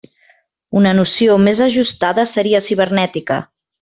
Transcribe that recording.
Una noció més ajustada seria cibernètica.